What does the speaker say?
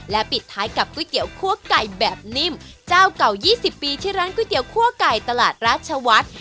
ปิดท้ายกับก๋วยเตี๋ยวคั่วไก่แบบนิ่มเจ้าเก่า๒๐ปีที่ร้านก๋วยเตี๋ยคั่วไก่ตลาดราชวัฒน์